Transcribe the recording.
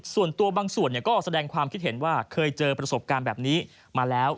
ส่วนตัวบางส่วนก็แสดงความคิดเห็นว่าเคยเจอประสบการณ์แบบนี้มาแล้ว